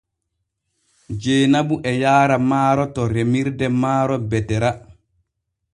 Jeenabu e yaara maaro to remirde maaro Betera.